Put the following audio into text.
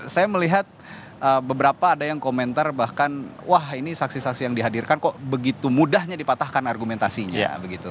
saya melihat beberapa ada yang komentar bahkan wah ini saksi saksi yang dihadirkan kok begitu mudahnya dipatahkan argumentasinya begitu